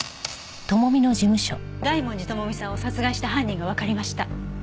大文字智美さんを殺害した犯人がわかりました。